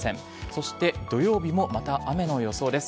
そして土曜日もまた雨の予想です。